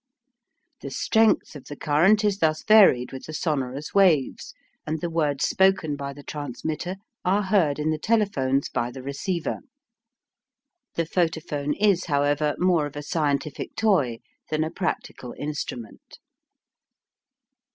The strength of the current is thus varied with the sonorous waves, and the words spoken by the transmitter are heard in the telephones by the receiver. The photophone is, however, more of a scientific toy than a practical instrument.